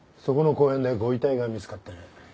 そこの公園でご遺体が見つかってね。